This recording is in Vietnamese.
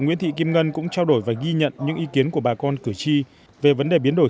nguyễn thị kim ngân cũng trao đổi và ghi nhận những ý kiến của bà con cử tri về vấn đề biến đổi